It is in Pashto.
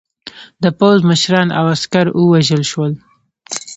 د پوځ مشران او عسکر ووژل شول.